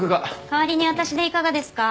代わりに私でいかがですか？